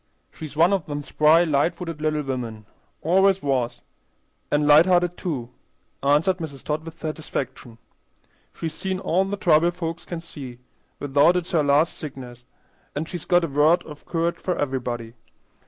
She's one of them spry, light footed little women; always was, an' light hearted, too," answered Mrs. Todd, with satisfaction. "She's seen all the trouble folks can see, without it's her last sickness; an' she's got a word of courage for everybody.